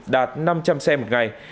đạt năm trăm linh xe một ngày